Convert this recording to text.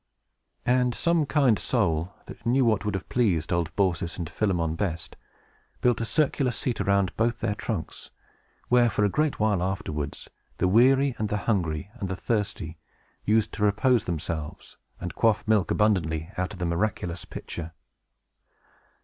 And some kind soul, that knew what would have pleased old Baucis and old Philemon best, built a circular seat around both their trunks, where, for a great while afterwards, the weary, and the hungry, and the thirsty used to repose themselves, and quaff milk abundantly out of the miraculous pitcher.